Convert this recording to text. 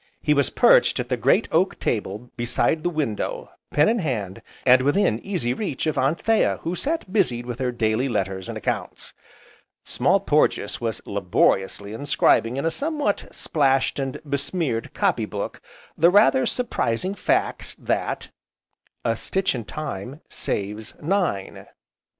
He was perched at the great oak table beside the window, pen in hand, and within easy reach of Anthea who sat busied with her daily letters and accounts. Small Porges was laboriously inscribing in a somewhat splashed and besmeared copy book the rather surprising facts that: A stitch in time, saves nine. 9.